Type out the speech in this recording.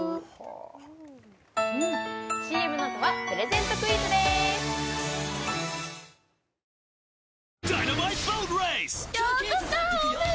ＣＭのあとはプレゼントクイズですさあ